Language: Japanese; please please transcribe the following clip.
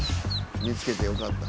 見つけてよかった。